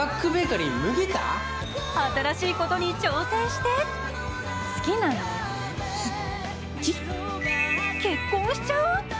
新しいことに挑戦して結婚しちゃう！？